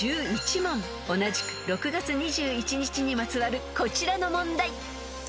［同じく６月２１日にまつわるこちらの問題］